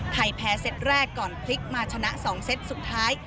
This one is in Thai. ไทยแพ้เซตแรกก่อนพลิกมาชนะ๒เซตสุดท้าย